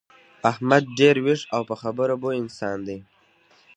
احمد ډېر ویښ او په خبره پوه انسان دی.